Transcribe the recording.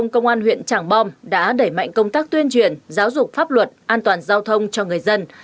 công an huyện trảng bom đã đẩy mạnh công tác tuyên truyền giáo dục pháp luật an toàn giao thông cho người dân